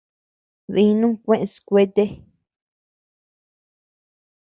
Dinuu kuʼes kuete.